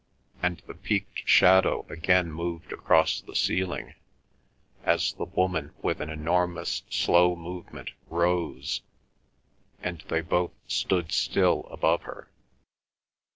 and the peaked shadow again moved across the ceiling, as the woman with an enormous slow movement rose, and they both stood still above her.